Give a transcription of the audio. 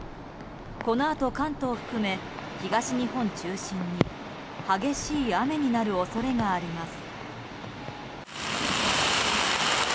このあと関東を含め東日本中心に激しい雨になる恐れがあります。